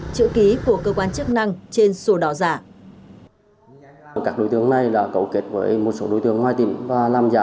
chữ ký của cơ quan chức năng trên sổ đỏ giả